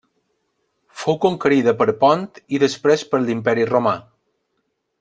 Fou conquerida per Pont i després per l'Imperi Romà.